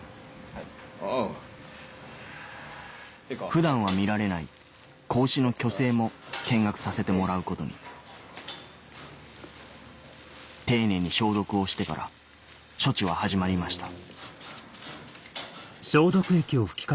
普段は見られない子牛の去勢も見学させてもらうことに丁寧に消毒をしてから処置は始まりました